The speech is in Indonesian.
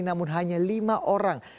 namun hanya lima orang